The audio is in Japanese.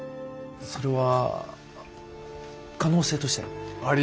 それは可能性として。